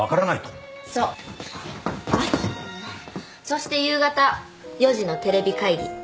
そして夕方４時のテレビ会議。